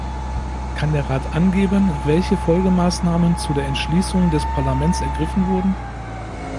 Kann der Rat angeben, welche Folgemaßnahmen zu der Entschließung des Parlaments ergriffen wurden?